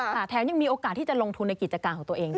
แถมยังมีโอกาสที่จะลงทุนในกิจการของตัวเองด้วย